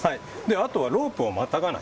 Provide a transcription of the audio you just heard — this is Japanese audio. あと、ロープをまたがない。